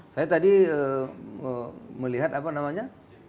saya tadi melihat apa namanya